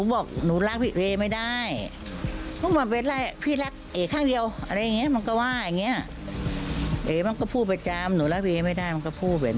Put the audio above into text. ก็คิดอยู่เหมือนกันแต่ไม่รู้ว่ามันจะทำวันไหน